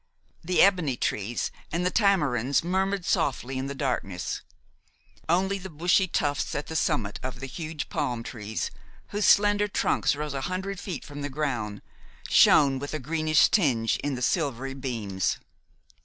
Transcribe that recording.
The ebony trees and the tamarinds murmured softly in the darkness; only the bushy tufts at the summit of the huge palm trees, whose slender trunks rose a hundred feet from the ground, shone with a greenish tinge in the silvery beams.